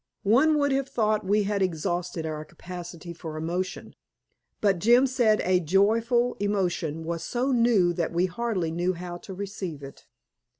One would have thought we had exhausted our capacity for emotion, but Jim said a joyful emotion was so new that we hardly knew how to receive it.